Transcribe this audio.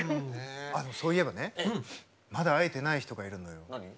そういえばねまだ会えてない人がいるのよ。